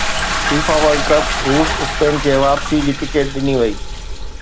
FIFA World Cup روس Spain کي واپسي جي ٽڪيٽ ڏني آهي